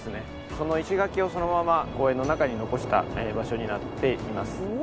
その石垣をそのまま公園の中に残した場所になっています。